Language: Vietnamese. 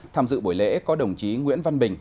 tham dự buổi lễ có đồng chí nguyễn văn bình